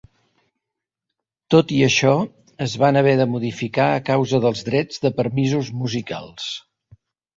Tot i això, es van haver de modificar a causa dels drets de permisos musicals.